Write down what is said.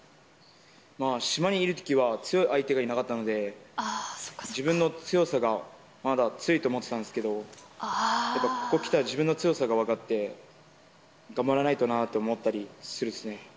島にいるときは、強い相手がいなかったので、自分の強さがまだ、強いと思ってたんですけど、やっぱここ来たら、自分の強さが分かって、頑張らないとなぁって思ったりするっすね。